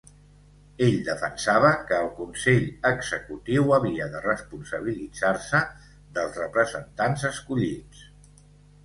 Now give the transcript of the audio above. Ell defensava que el consell executiu havia de responsabilitzar-se dels representants escollits.